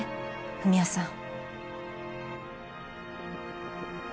文哉さん。